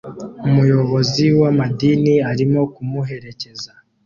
Umuyobozi w’amadini arimo kumuherekeza